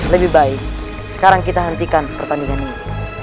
lebih baik sekarang kita hentikan pertandingan ini